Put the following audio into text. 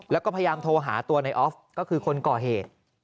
แล้วก็พยายามโทรหาตัวในออฟก็คือคนก่อเหตุ